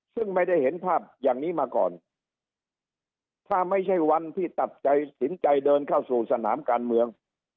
ซึ่งไม่ได้เห็นภาพอย่างนี้มาก่อนถ้าไม่ใช่วันที่ตัดสินใจสินใจเดินเข้าสู่สนามการเมือง